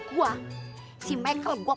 gua si mekel gua